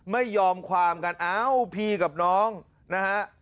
ไม่ยอมความกันเอ้าพี่กับน้องนะฮะ